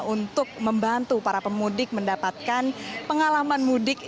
untuk membantu para pemudik mendapatkan pengalaman mudik